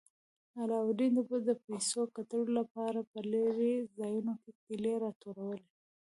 علاوالدین به د پیسو ګټلو لپاره په لیرې ځایونو کې کیلې راټولولې.